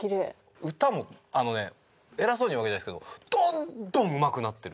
歌もあのね偉そうに言うわけじゃないですけどどんどんうまくなってる！